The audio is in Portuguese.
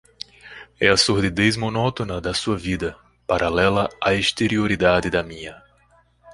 É a sordidez monótona da sua vida, paralela à exterioridade da minha